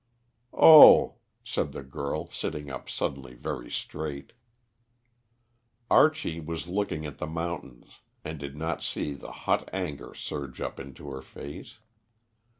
"Oh!" said the girl, sitting up suddenly very straight. Archie was looking at the mountains, and did not see the hot anger surge up into her face.